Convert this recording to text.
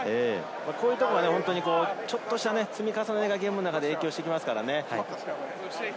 こういうところ、ちょっとした積み重ねがゲームの中で影響してきますから。